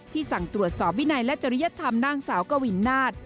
สั่งตรวจสอบวินัยและจริยธรรมนางสาวกวินนาฏ